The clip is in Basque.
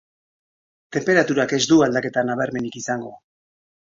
Tenperaturak ez du aldaketa nabarmenik izango.